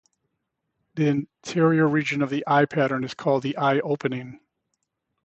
The interior region of the eye pattern is called the eye opening.